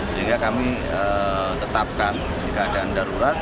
sehingga kami tetapkan jika ada darurat